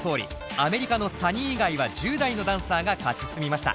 アメリカのＳｕｎｎｙ以外は１０代のダンサーが勝ち進みました。